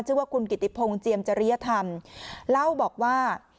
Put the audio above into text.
ชื่อว่าคุณกิติพงศ์เจียมจริยธรรมเล่าบอกว่า